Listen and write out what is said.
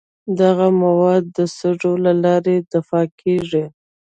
دغه مواد د سږو له لارې دفع کیږي.